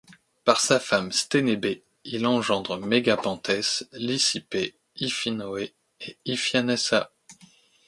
Par sa femme Sthénébée, il engendre Mégapenthès, Lysippé, Iphinoé et Iphianassa.